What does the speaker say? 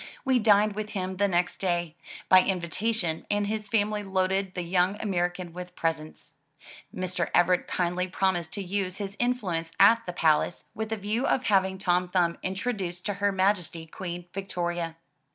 We dined with him the next day, by in vitation, and his family loaded the young American with presents. Mr. Everett kindly promised to use his influence at the palace with a view of having Tom Thumb introduced to Her Majesty Queen Victoria.